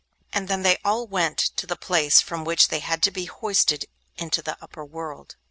And then they all went to the place from which they had to be hoisted into the upper world.